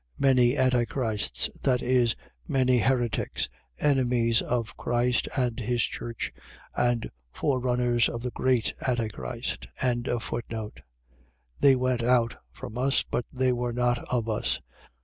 Many Antichrists;. . .that is, many heretics, enemies of Christ and his church, and forerunners of the great Antichrist. 2:19. They went out from us but they were not of us.